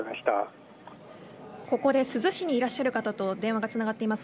ここで珠洲市にいらっしゃる方と電話がつながっています。